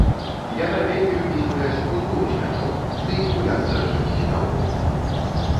Яна вельмі любіць гуляць у футбол з мячом, ды і гуляцца з чымсьці наогул.